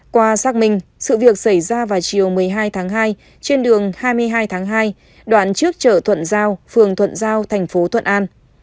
qua xác minh sự việc xảy ra vào chiều một mươi hai tháng hai trên đường hai mươi hai tháng hai đoạn trước chợ thuận giao phường thuận giao thành phố thuận an